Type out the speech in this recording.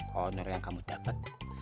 honor yang kamu dapet